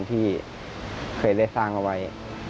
ที่เคยได้สร้างเอาไว้